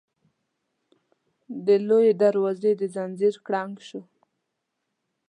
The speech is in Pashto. د لويي دروازې د ځنځير کړنګ شو.